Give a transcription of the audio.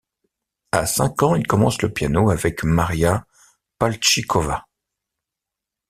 À cinq ans, il commence le piano avec Maria Paltchikova.